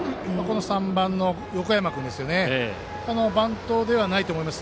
３番の横山君バントではないと思います。